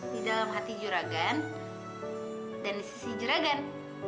di dalam hati juragan dan di sisi juragan